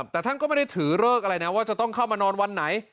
แต่ท่านก็ไม่ได้ถือเลิกอะไรนะว่าจะต้องเข้ามานอนวันไหน